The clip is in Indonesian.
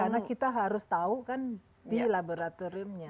karena kita harus tahu kan di laboratoriumnya